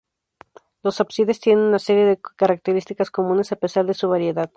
Los ábsides tienen una serie de características comunes a pesar de su variedad.